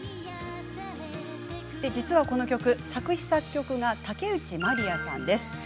実はこの曲作詞・作曲は竹内まりやさん。